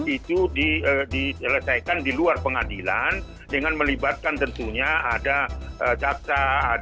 itu diselesaikan di luar pengadilan dengan melibatkan tentunya ada jaksa